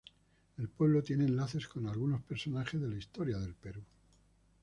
El pueblo tiene enlaces con algunos personajes de la historia del Perú.